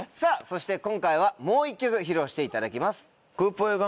そして今回はもう１曲披露していただきます。